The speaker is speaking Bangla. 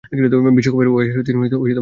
বিশ্বকাপের ঐ আসরে তিনি গোল্ডেন গ্লোব জিতেন।